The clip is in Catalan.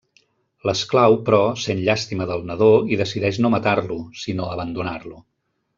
L'esclau, però, sent llàstima del nadó i decideix no matar-lo, sinó abandonar-lo.